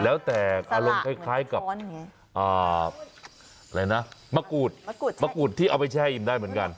แล้วแต่อารมณ์คล้ายกับอะไรนะมะกรูดมะกรูดที่เอาไปแช่อิ่มได้เหมือนกัน